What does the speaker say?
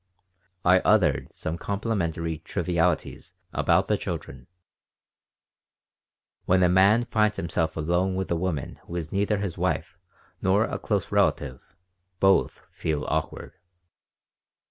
I uttered some complimentary trivialities about the children When a man finds himself alone with a woman who is neither his wife nor a close relative, both feel awkward.